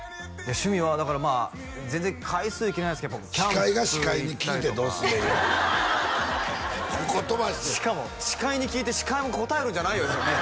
趣味はだからまあ全然回数行けないですけどキャンプ司会が司会に聞いてどうすんねんここ飛ばしてしかも司会に聞いて司会も答えるんじゃないよですよね